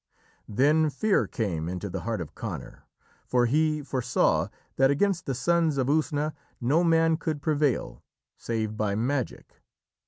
Then fear came into the heart of Conor, for he foresaw that against the Sons of Usna no man could prevail, save by magic.